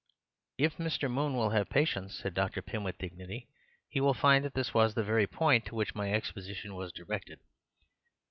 "If Mr. Moon will have patience," said Pym with dignity, "he will find that this was the very point to which my exposition was di rected.